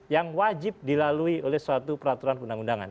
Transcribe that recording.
yang wajib dilalui oleh suatu peraturan undang undangan